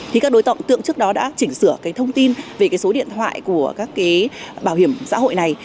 thì các đối tượng tượng trước đó đã chỉnh sửa cái thông tin về cái số điện thoại của các cái bảo hiểm xã hội này